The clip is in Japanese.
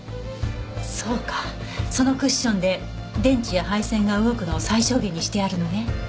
そうかそのクッションで電池や配線が動くのを最小限にしてあるのね。